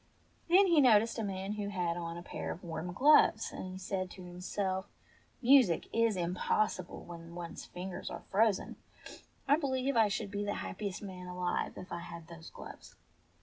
Then he noticed a man who had on a pair of warm gloves, and he said to himself, "Music is impossible when one's fin gers are frozen. I believe I should be the happiest man alive if I had those gloves."